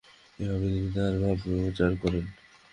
এইভাবে তিনি তাঁহার ভাব প্রচার করেন।